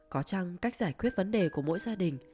có chăng cách giải quyết vấn đề của mỗi gia đình